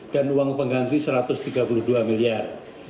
dan uang pengganti rp satu ratus tiga puluh dua miliar